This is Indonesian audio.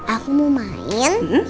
aku mau main